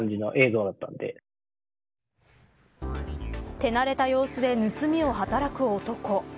手慣れた様子で盗みを働く男。